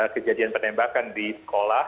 kejadian penembakan di sekolah